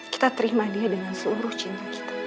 kita terima dia dengan seluruh cinta kita